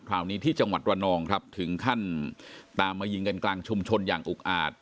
คราวนี้ที่จังหวัดระนองครับถึงขั้นตามมายิงกันกลางชุมชนอย่างอุกอาจ